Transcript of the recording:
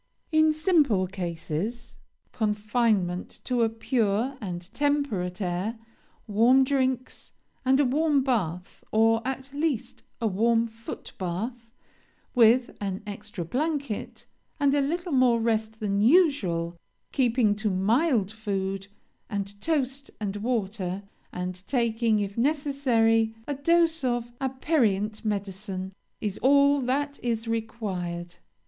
"In simple cases confinement to a pure and temperate air, warm drinks, and a warm bath, or, at least, a warm foot bath, with an extra blanket, and a little more rest than usual, keeping to mild food, and toast and water, and taking, if necessary, a dose of aperient medicine, is all that is required.